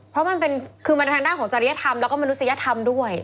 เพราะมันเป็นคือมันทางด้านของจริยธรรมแล้วก็มนุษยธรรมด้วย